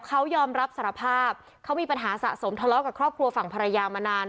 เขายอมรับสารภาพเขามีปัญหาสะสมทะเลาะกับครอบครัวฝั่งภรรยามานาน